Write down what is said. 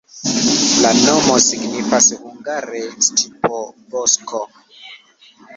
La nomo signifas hungare: stipo-bosko.